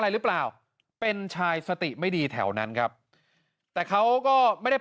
อะไรหรือเปล่าเป็นชายสติไม่ดีแถวนั้นครับแต่เขาก็ไม่ได้